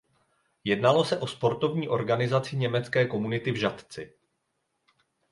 Jednalo se o sportovní organizaci německé komunity v Žatci.